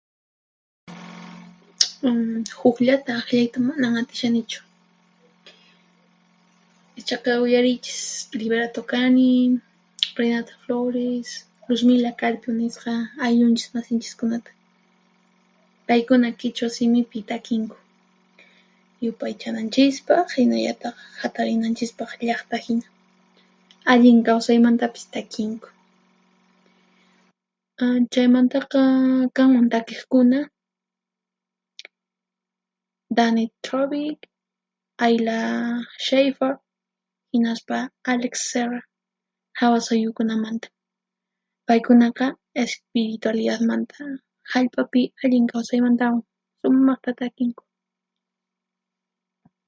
Huqllata aqllayta manan atishanichu, ichaqa uyariychis Liberato Kani, Renata Flores, Luzmila Carpio nisqa ayllunchis masinchiskunata. Paykuna qhichwa simipi takinku, yupaychananchispaq hinallataq hatarinanchispaq llaqta hina. Allin Kawsaymantapis takinku. mm Chaymantaqa kanman takiqkuna Danit Treubig; Ayla Schafer hinaspa Alex Serra hawa suyukunamanta. Paykunaqa espiritualidadmanta, Hallp'api Allin Kawsaymantawan sumaqta takinku.